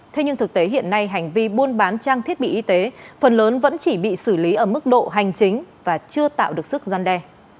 thế nhưng thực tế hiện nay hành vi buôn bán trang thiết bị y tế phần lớn vẫn chỉ bị xử lý ở mức độ hành chính và chưa tạo được sức gian đe